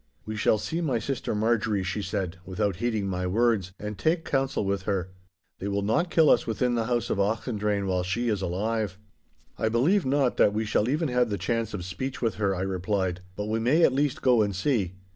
'We shall see my sister Marjorie,' she said, without heeding my words, 'and take counsel with her. They will not kill us within the house of Auchendrayne while she is alive.' 'I believe not that we shall even have the chance of speech with her,' I replied, 'but we may at least go and see.